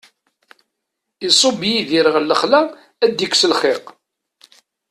Iṣubb Yidir ɣer lexla ad ikkes lxiq.